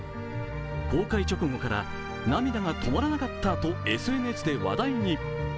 公開直後から、涙が止まらなかったとＳＮＳで話題に。